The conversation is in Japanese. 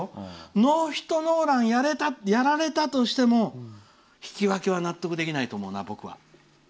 ノーヒットノーランやられたとしても引き分けは納得できないと思うな、僕は。